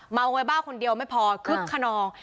เมาไว้บ้าคนเดียวไม่พอคึกขนอง